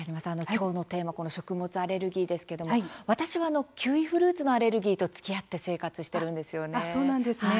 きょうのテーマこの食物アレルギーですけども私はキウイフルーツのアレルギーとつきあって生活してるんですよね。